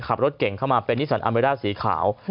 ขับรถเก่งเข้ามาเป็นนิสันอาเมดร่าสีขาว